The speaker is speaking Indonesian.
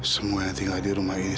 semua yang tinggal di rumah ini